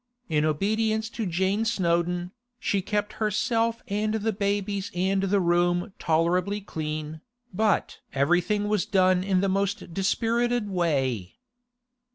In obedience to Jane Snowdon, she kept herself and the babies and the room tolerably clean, but everything was done in the most dispirited way.